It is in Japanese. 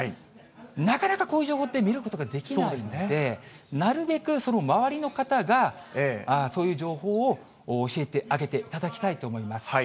なかなかこういう情報って、見ることができないので、なるべくその周りの方がそういう情報を教えてあげていただきたいと思います。